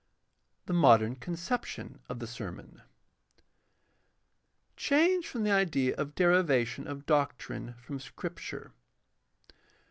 THE MODERN CONCEPTION OF THE SERMON Change from the idea of derivation of doctrine from Scripture.